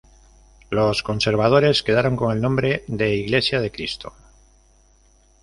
Los conservadores quedaron con el nombre de Iglesia de Cristo.